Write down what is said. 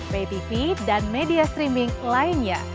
pay tv dan media streaming lainnya